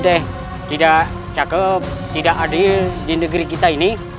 tidak cakep tidak adil di negeri kita ini